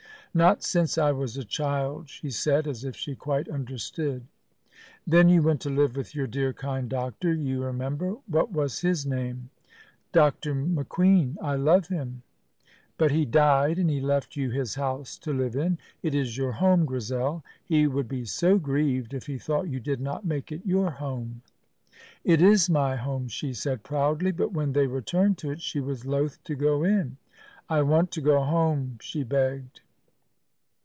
"Not since I was a child," she said as if she quite understood. "Then you went to live with your dear, kind doctor, you remember. What was his name?" "Dr. McQueen. I love him." "But he died, and he left you his house to live in. It is your home, Grizel. He would be so grieved if he thought you did not make it your home." "It is my home," she said proudly; but when they returned to it she was loath to go in. "I want to go home!" she begged.